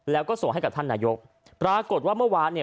แล้วก็ส่งให้กับท่านนายกปรากฏว่าเมื่อวานเนี่ย